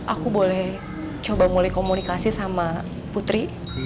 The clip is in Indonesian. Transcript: aku boleh coba mulai komunikasi sama putri